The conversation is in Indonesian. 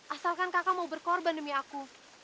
asalkan kakak mau berkorban demi aku